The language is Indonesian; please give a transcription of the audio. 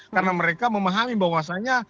karena mereka memahami bahwasannya